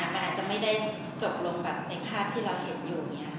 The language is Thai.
มันอาจจะไม่ได้จบลงแบบในภาพที่เราเห็นอยู่